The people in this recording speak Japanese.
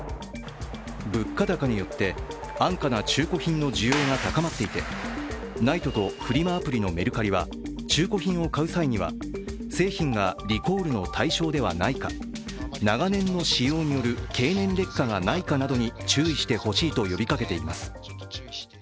物価高によって安価な中古品の需要が高まっていてＮＩＴＥとフリマアプリのメルカリは、中古品を買う際には製品がリコールの対象ではないか、長年の使用による経年劣化がないかなどに注意してほしいと呼びかけています。